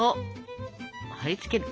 貼り付ける。